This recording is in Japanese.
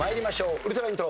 ウルトライントロ。